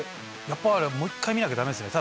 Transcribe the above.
やっぱりもう一回見なきゃダメですね。